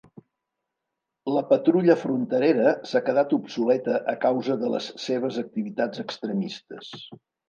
La patrulla fronterera s'ha quedat obsoleta a causa de les seves activitats extremistes.